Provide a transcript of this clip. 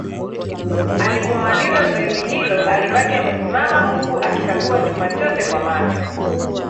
Alipomaliza zoezi hilo alibaki amesimama huku akikagua chumba chote kwa macho